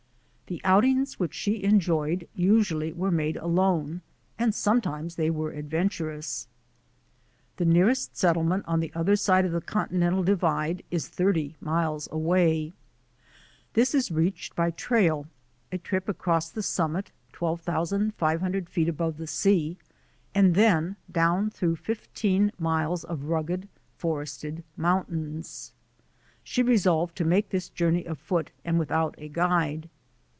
The outings which she enjoyed usually were made alone and sometimes they were adventurous. The nearest settlement on the other side of the Conti nental Divide is thirty miles away. This is reached by trail — a trip across the summit, 12,500 feet above the sea, and then down through fifteen miles of rugged, forested mountains. She resolved to make this journey afoot and without a guide.